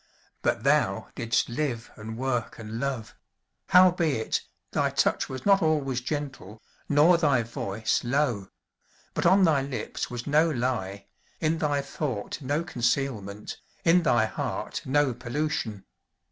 But thou didst live and work and love; howbeit, thy touch was not always gentle, nor thy voice low; but on thy lips was no lie, in thy thought no concealment, in thy heart no pollution.